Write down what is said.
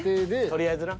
とりあえずな。